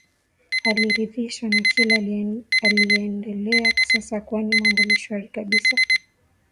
aridhishwa na kila linaliendelea sasa kwani mambo ni shwari kabisa